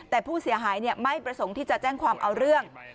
แต่ผู้เสียหายไม่ประสงค์ที่จะแจ้งความเอาเรื่อง